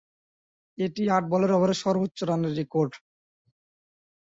এটিই আট-বলের ওভারে সর্বোচ্চ রানের রেকর্ড।